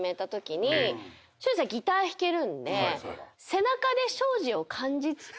背中で庄司を感じつつ。